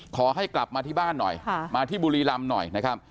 ขอให้กลับมาที่บ้านหน่อยมาที่บุรีรำหน่อยนะครับ